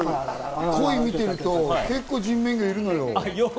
鯉を見てると結構、人面魚いるのよ。